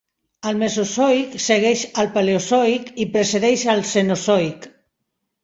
El Mesozoic segueix el Paleozoic i precedeix el Cenozoic.